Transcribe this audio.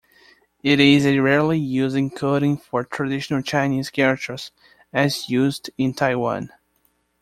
It is a rarely used encoding for traditional Chinese characters as used in Taiwan.